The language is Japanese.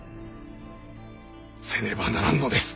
せねばならぬのです！